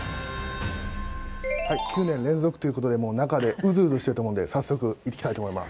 ９年連続ということで、もう中で、うずうずしてると思うんで、早速、行ってきたいと思います。